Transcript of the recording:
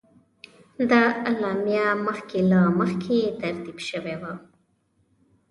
دا اعلامیه مخکې له مخکې ترتیب شوې وه.